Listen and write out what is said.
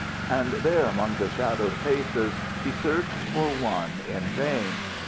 And there among the shadowed faces he searched for one in vain.